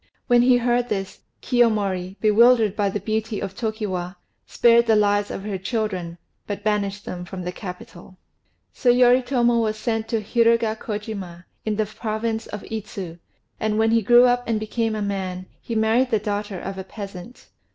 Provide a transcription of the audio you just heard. When he heard this, Kiyomori, bewildered by the beauty of Tokiwa, spared the lives of her children, but banished them from the capital. So Yoritomo was sent to Hirugakojima, in the province of Idzu; and when he grew up and became a man, he married the daughter of a peasant.